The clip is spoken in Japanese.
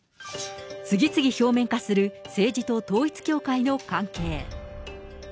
次々表面化する、政治と統一教会の関係。